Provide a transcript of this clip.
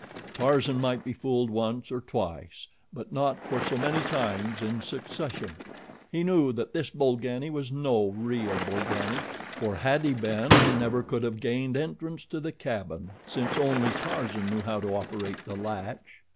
Tarzan might be fooled once or twice, but not for so many times in succession! He knew that this Bolgani was no real Bolgani, for had he been he never could have gained entrance to the cabin, since only Tarzan knew how to operate the latch.